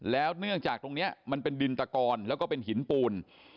และเข้าก็เป็นหินปูน